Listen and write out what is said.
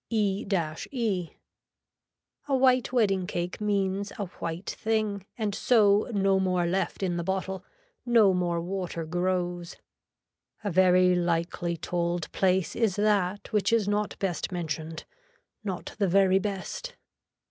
E E. A white wedding cake means a white thing and so no more left in the bottle, no more water grows. A very likely told place is that which is not best mentioned, not the very best.